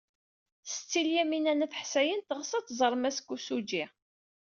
Setti Lyamina n At Ḥsayen teɣs ad tẓer Mass Kosugi.